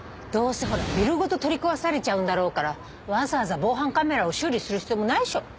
どうせほらビルごと取り壊されちゃうんだろうからわざわざ防犯カメラを修理する必要もないでしょ。